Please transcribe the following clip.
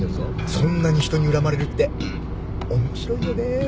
そんなに人に恨まれるって面白いよね。